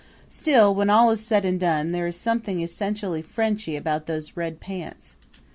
Still, when all is said and done, there is something essentially Frenchy about those red pants.